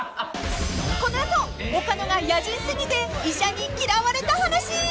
［この後岡野が野人過ぎて医者に嫌われた話］